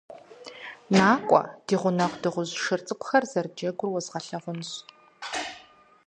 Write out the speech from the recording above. НакӀуэ, ди гъунэгъу дыгъужь шыр цӀыкӀухэр зэрыджэгур уэзгъэлъагъунщ!